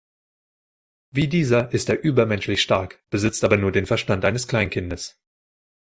Wie dieser ist er übermenschlich stark, besitzt aber nur den Verstand eines Kleinkindes.